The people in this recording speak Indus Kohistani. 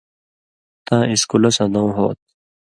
ناں اِسکُلہ سن٘دؤں ہوتُھو